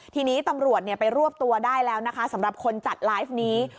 ทีนี้ตำรวจไปรวบตัวได้แล้วนะคะสำหรับคนจัดไลฟ์นี้